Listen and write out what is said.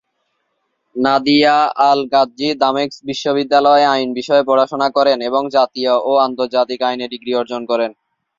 Nadia al Ghazzi দামেস্ক বিশ্ববিদ্যালয়ে আইন বিষয়ে পড়াশোনা করেন এবং জাতীয় ও আন্তর্জাতিক আইনে ডিগ্রি অর্জন করেন।